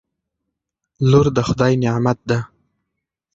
لور دخدای نعمت ده